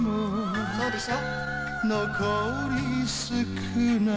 そうでしょ？